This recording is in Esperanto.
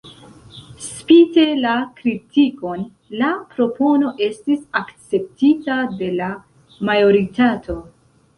Spite la kritikon, la propono estis akceptita de la majoritato.